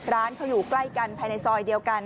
ร้านเขาอยู่ใกล้กันภายในซอยเดียวกัน